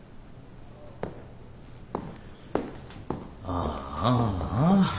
あああ。